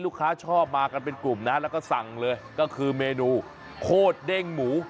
ชอบมากันเป็นกลุ่มนะแล้วก็สั่งเลยก็คือเมนูโคตรเด้งหมู